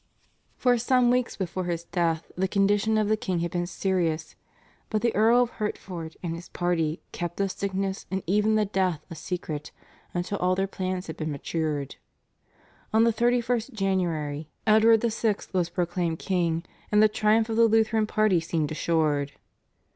For some weeks before his death the condition of the king had been serious, but the Earl of Hertford and his party kept the sickness and even the death a secret until all their plans had been matured. On the 31st January Edward VI. was proclaimed king, and the triumph of the Lutheran party seemed assured.